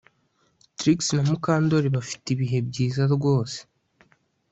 Trix na Mukandoli bafite ibihe byiza rwose